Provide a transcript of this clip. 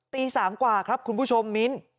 ตี๓กว่าครับคุณผู้ชมมิ้น